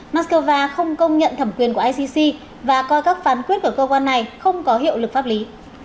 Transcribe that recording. moscow không công nhận thẩm quyền của icc và coi các phán quyết của cơ quan này không có hiệu lực pháp lý